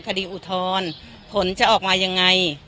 คดีอุทธรรมผลจะออกว่ายังไง